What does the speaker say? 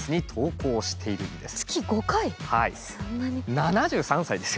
７３歳ですよ！